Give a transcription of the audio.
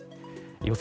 予想